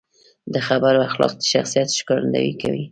د خبرو اخلاق د شخصیت ښکارندويي کوي.